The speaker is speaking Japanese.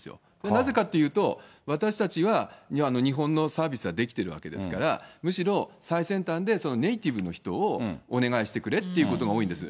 なぜかっていうと、私たちは日本のサービスはできてるわけですから、むしろ最先端で、ネイティブの人をお願いしてくれということが多いんです。